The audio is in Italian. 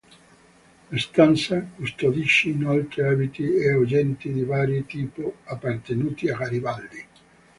La stanza custodisce inoltre abiti e oggetti di vario tipo appartenuti a Garibaldi.